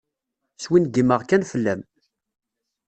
Swingimeɣ kan fell-am.